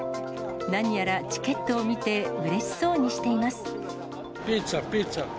何やらチケットを見て、うれしそうにしています。